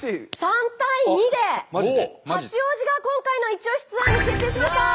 ３対２で八王子が今回のイチオシツアーに決定しました！